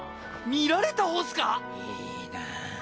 見られた方っすか⁉いいなぁ。